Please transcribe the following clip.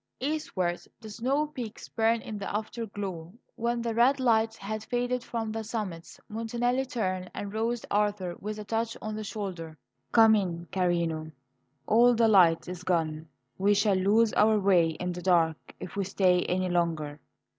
Eastwards the snow peaks burned in the afterglow. When the red light had faded from the summits Montanelli turned and roused Arthur with a touch on the shoulder. "Come in, carino; all the light is gone. We shall lose our way in the dark if we stay any longer."